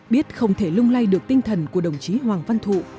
biết không thể lung lay được tinh thần của đồng chí hoàng văn thụ